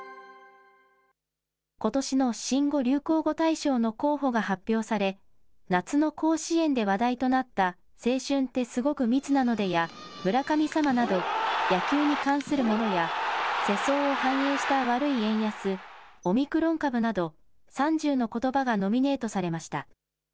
ことしの新語・流行語大賞の候補が発表され、夏の甲子園で話題となった青春って、すごく密なのでや、村神様など、野球に関するものや、世相を反映した悪い円安、オミクロン株など、３０のことばがノミネートされました。